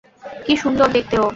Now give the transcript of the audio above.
কী সুন্দর দেখতে ও!